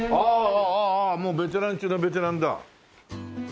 ああもうベテラン中のベテランだ。